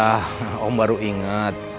oh iya om baru inget